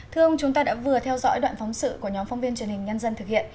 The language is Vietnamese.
thưa ông chúng ta đã vừa theo dõi đoạn phóng sự của nhóm phóng viên truyền hình nhân dân thực hiện